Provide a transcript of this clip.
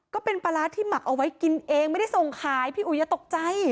ก็เป็นปลาร้าที่หมักเอาไว้กินเองไม่ได้ส่งขายพี่อุ๋ยอย่าตกใจ